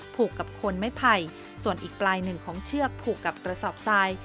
ผูกกับคนไม้ไผ่ส่วนอีกปลายหนึ่งของเชือกผูกกับกระสอบทราย